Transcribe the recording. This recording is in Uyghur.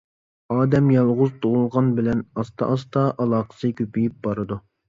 ئادەم يالغۇز تۇغۇلغان بىلەن ئاستا ئاستا ئالاقىسى كۆپىيىپ بارىدۇ.